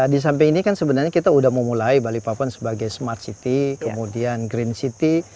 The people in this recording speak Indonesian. di samping ini kan sebenarnya kita sudah mau mulai bali papan sebagai smart city kemudian green city